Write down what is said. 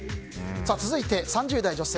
続いて、３０代女性。